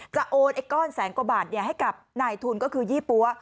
โอนไอ้ก้อนแสนกว่าบาทให้กับนายทุนก็คือยี่ปั๊ว